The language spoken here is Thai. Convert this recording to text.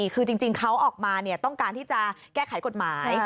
คือจริงเขาออกมาต้องการที่จะแก้ไขกฎหมาย